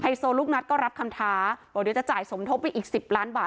โซลูกนัดก็รับคำท้าบอกเดี๋ยวจะจ่ายสมทบไปอีก๑๐ล้านบาท